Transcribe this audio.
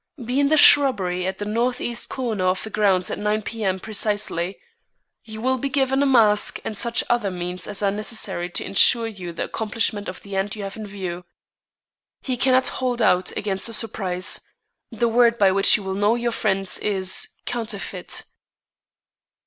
Be in the shrubbery at the northeast corner of the grounds at 9 P.M. precisely; you will be given a mask and such other means as are necessary to insure you the accomplishment of the end you have in view. He cannot hold out against a surprise. The word by which you will know your friends is COUNTERFEIT."